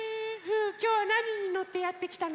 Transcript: きょうはなににのってやってきたの？